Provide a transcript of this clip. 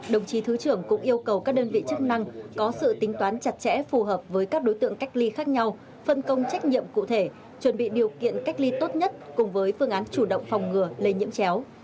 đồng chí thứ trưởng cũng yêu cầu các đơn vị chức năng có sự tính toán chặt chẽ phù hợp với các đối tượng cách ly khác nhau phân công trách nhiệm cụ thể chuẩn bị điều kiện cách ly tốt nhất cùng với phương án chủ động phòng ngừa lây nhiễm chéo